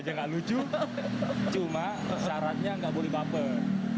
jangan lucu cuma syaratnya nggak boleh baper